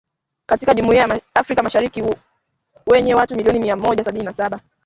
katika Jumuiya ya Afrika Mashariki yenye watu milioni mia Mmoja sabini na saba